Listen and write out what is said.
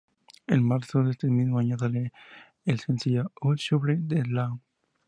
En marzo de ese mismo año sale el sencillo "I'll Supply the Love".